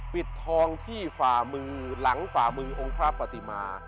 ปิดทองที่ฝ่ามือหลังฝ่ามือองค์พระปฏิมา